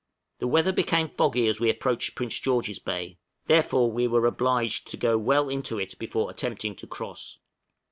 The weather became foggy as we approached Prince George's Bay, therefore we were obliged to go well into it before attempting to cross.